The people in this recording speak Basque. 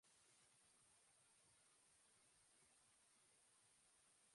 Hala ere, egun frantsesa da.